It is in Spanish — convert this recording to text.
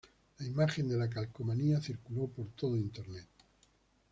La imagen de la calcomanía circuló por todo el Internet.